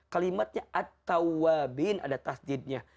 kalimatnya ada tasjidnya